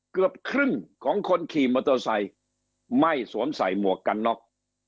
เกือบครึ่งของคนขี่มอเตอร์ไซค์ไม่สวมใส่หมวกกันน็อก